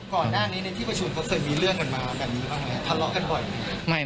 ก่อนหน้านี้ในที่ประชุมเขาเสร็จมีเรื่องกันมากันอยู่บ้างไหม